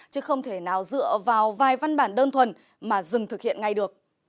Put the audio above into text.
chứ không thể nào dựa vào vài văn bản đơn thuần mà dừng thực hiện ngay được